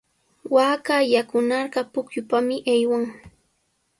Waaka yakunarqa pukyupami aywan.